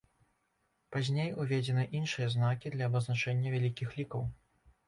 Пазней уведзены іншыя знакі для абазначэння вялікіх лікаў.